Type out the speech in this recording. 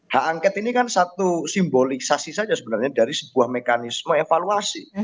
hak angket ini kan satu simbolisasi saja sebenarnya dari sebuah mekanisme evaluasi